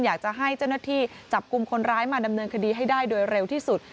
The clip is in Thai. อยากจะให้เจ้าหน้าที่จับกลุ่มคนร้ายมาดำเนินคดีให้ได้โดยเร็วที่สุด